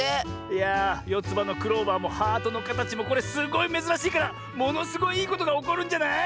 いやあよつばのクローバーもハートのかたちもこれすごいめずらしいからものすごいいいことがおこるんじゃない？